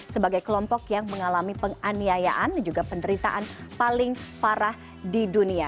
sebagai kelompok yang mengalami penganiayaan dan juga penderitaan paling parah di dunia